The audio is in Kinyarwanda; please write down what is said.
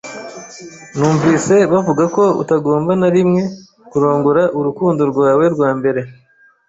Numvise bavuga ko utagomba na rimwe kurongora urukundo rwawe rwa mbere.